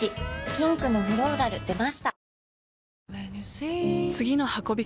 ピンクのフローラル出ました